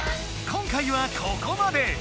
今回はここまで！